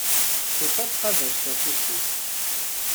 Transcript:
Tufa tqabact afus-is.